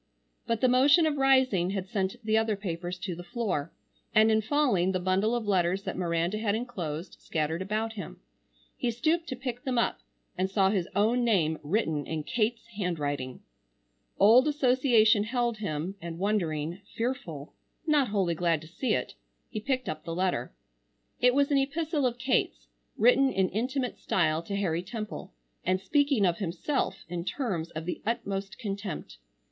But the motion of rising had sent the other papers to the floor, and in falling the bundle of letters that Miranda had enclosed, scattered about him. He stooped to pick them up and saw his own name written in Kate's handwriting. Old association held him, and wondering, fearful, not wholly glad to see it, he picked up the letter. It was an epistle of Kate's, written in intimate style to Harry Temple and speaking of himself in terms of the utmost contempt.